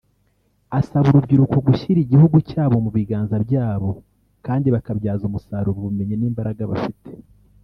Asaba urubyiruko gushyira igihugu cyabo mu biganza byabo kandi bakabyaza umusaruro ubumenyi n’imbaraga bafite